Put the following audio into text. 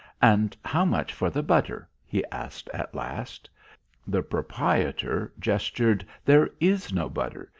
"And how much for the butter?" he asked at last. The proprietor gestured. "There is no butter.